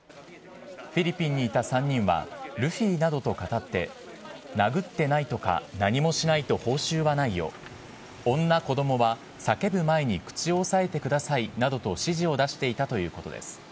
フィリピンにいた３人はルフィなどとかたって、殴ってないとか、何もしないと報酬はないよ、女、子どもは叫ぶ前に口を押さえてくださいなどと指示を出していたということです。